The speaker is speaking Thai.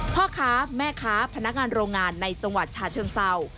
พ่อค้าแม่ค้าพนักงานโรงงานในจังหวัดชาเชิงเศร้า